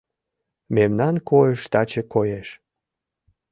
Мемнан койыш таче коеш.